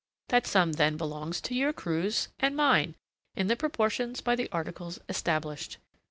That sum then belongs to your crews and mine in the proportions by the articles established.